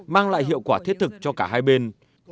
mang lại hiệu quả thiết thực cho cả hai bên